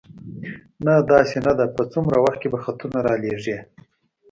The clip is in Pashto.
نه، داسې نه ده، په څومره وخت کې به خطونه را لېږې؟